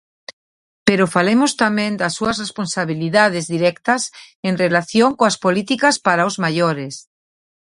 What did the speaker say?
Pero falemos tamén das súas responsabilidades directas en relación coas políticas para os maiores.